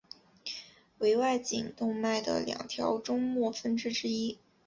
为外颈动脉的两条终末分支之一。